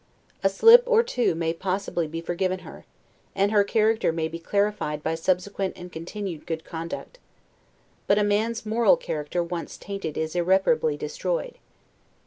A slip or two may possibly be forgiven her, and her character may be clarified by subsequent and continued good conduct: but a man's moral character once tainted is irreparably destroyed.